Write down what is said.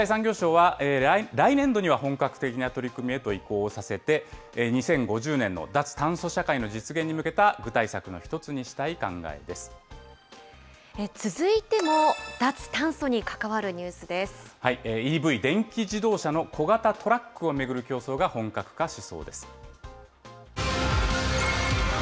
経済産業省は、来年度には本格的な取り組みへと移行させて、２０５０年の脱炭素社会の実現に向け続いても、脱炭素に関わるニＥＶ・電気自動車の小型トラックを巡る競争が本格化しそうです。